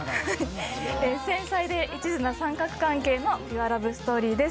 繊細で一途な三角関係のピュアラブストーリーです。